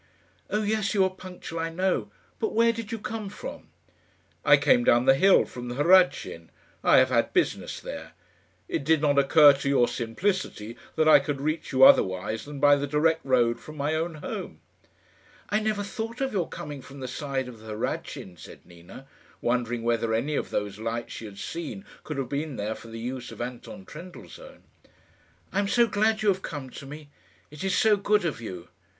"Oh yes, you are punctual, I know; but where did you come from?" "I came down the hill from the Hradschin. I have had business there. It did not occur to your simplicity that I could reach you otherwise than by the direct road from my own home." "I never thought of your coming from the side of the Hradschin," said Nina, wondering whether any of those lights she had seen could have been there for the use of Anton Trendellsohn. "I am so glad you have come to me. It is so good of you."